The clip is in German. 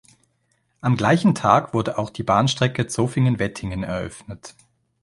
Am gleichen Tag wurde auch die Bahnstrecke Zofingen–Wettingen eröffnet.